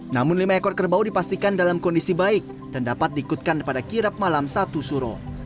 namun lima ekor kerbau dipastikan dalam kondisi baik dan dapat diikutkan pada kirap malam satu suro